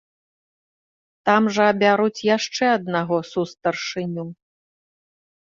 Там жа абяруць яшчэ аднаго сустаршыню.